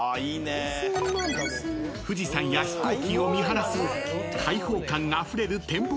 ［富士山や飛行機を見晴らす開放感あふれる展望